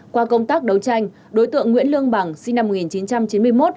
qua công tác đấu tranh đối tượng nguyễn lương bằng sinh năm một nghìn chín trăm chín mươi một